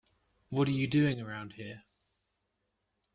What are you doing around here?